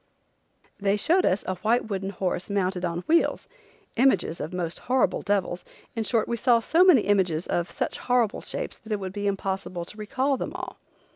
They showed us a white wooden horse mounted on wheels, images of most horrible devils, in short, we saw so many images of such horrible shapes that it would be impossible to recall them all.